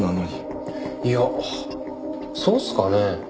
いやそうっすかね？